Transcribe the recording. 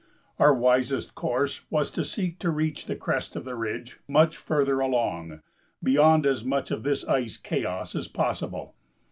Our wisest course was to seek to reach the crest of the ridge much further along, beyond as much of this ice chaos as possible.